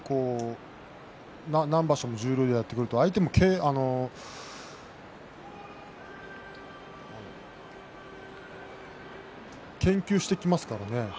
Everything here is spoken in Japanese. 何場所も十両でやってきますと相手も研究してきますからね。